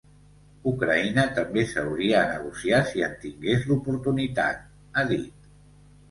“Ucraïna també seuria a negociar si en tingués l’oportunitat”, ha dit.